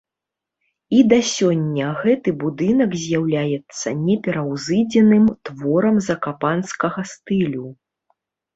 І да сёння гэты будынак з'яўляецца непераўзыдзеным творам закапанскага стылю.